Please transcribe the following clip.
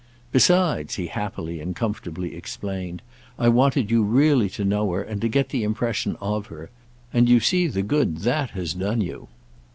Besides," he happily and comfortably explained, "I wanted you really to know her and to get the impression of her—and you see the good that has done you."